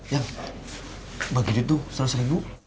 yang bagi duit tuh seratus ribu